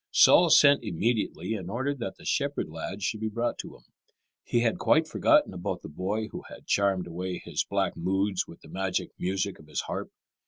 Saul sent immediately and ordered that the shepherd lad should be brought to him. He had quite forgotten about the boy who had charmed away his black moods with the magic music of his harp.